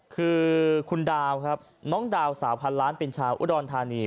คือคุณดาวครับน้องดาวสาวพันล้านเป็นชาวอุดรธานี